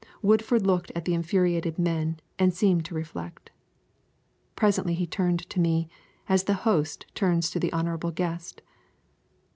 Woodford looked at the infuriated men and seemed to reflect. Presently he turned to me, as the host turns to the honourable guest.